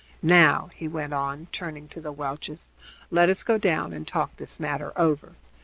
Now," he went on, turning to the Welches, "let us go down and talk this matter over.